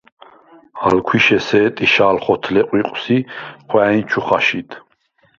ალ ქვიშე სე̄ტიშა̄ლ ხოთლე ყვიყვს ი ხვა̄̈ჲნ ჩუ ხაშიდ.